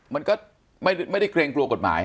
มันก็ไม่ได้เกรงกลัวกฎหมาย